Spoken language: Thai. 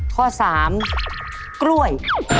ข้อสามกล้วย